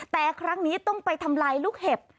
แต่ครั้งนี้ต้องไปทำลายลูกเห็บ